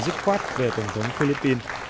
dứt khoát về tổng thống philippines